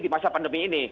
di masa pandemi ini